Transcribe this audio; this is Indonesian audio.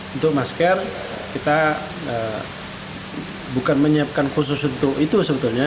untuk masker kita bukan menyiapkan khusus untuk itu sebetulnya